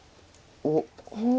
おっ。